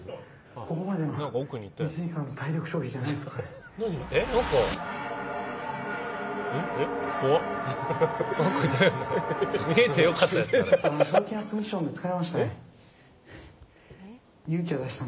ここまでの１時間の体力消費じゃないですよね。